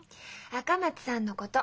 赤松さんのこと。